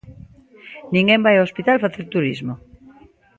Ninguén vai ao hospital facer turismo.